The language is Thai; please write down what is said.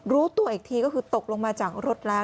รู้ตัวอีกทีก็คือตกลงมาจากรถแล้ว